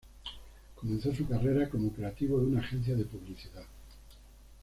Comenzó su carrera como creativo de una agencia de publicidad.